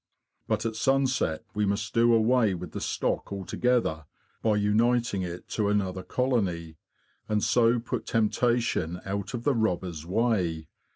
But at sunset we must do away with the stock altogether by uniting it to another colony, and so put temptation out of the robbers' way.